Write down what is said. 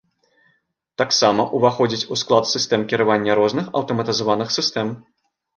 Таксама ўваходзіць у склад сістэм кіравання розных аўтаматызаваных сітсэм.